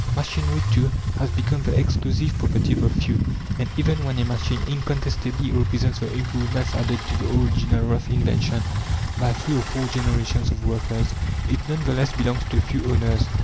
Machinery, too, has become the exclusive property of the few, and even when a machine incontestably represents the improvements added to the original rough invention by three or four generations of workers, it none the less belongs to a few owners.